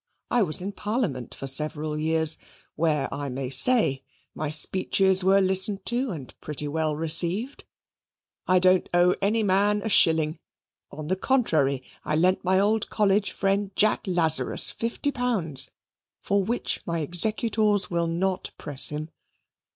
I was in Parliament for several years, where, I may say, my speeches were listened to and pretty well received. I don't owe any man a shilling: on the contrary, I lent my old college friend, Jack Lazarus, fifty pounds, for which my executors will not press him.